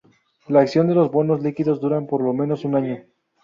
La acción de los abonos líquidos dura por lo menos un año.